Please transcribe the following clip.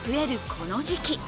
この時期。